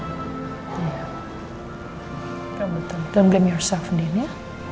kamu jangan salah dirimu din ya